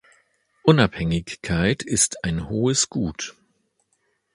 Unabhängigkeit ist ein hohes Gut.